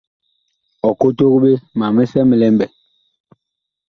Ɔ kotog ɓe ma misɛ mi lɛ mɓɛɛŋ.